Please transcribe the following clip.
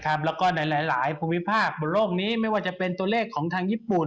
แล้วก็ในหลายภูมิภาคบนโลกนี้ไม่ว่าจะเป็นตัวเลขของทางญี่ปุ่น